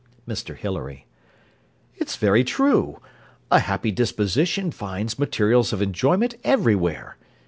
_ MR HILARY It is very true; a happy disposition finds materials of enjoyment every where.